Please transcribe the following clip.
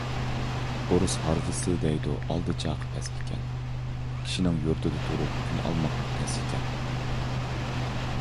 ئۇرۇس ھارۋىسى دەيدۇ ئالدى چاقى پەس ئىكەن. كىشنىڭ يۇرتىدا تۈرۈپ كۈن ئالماقمۇ تەس ئىكەن .